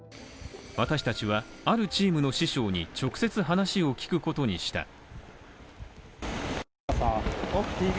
私たちはあるチームの師匠に直接話を聞くことにした。